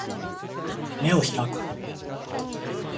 眼を開く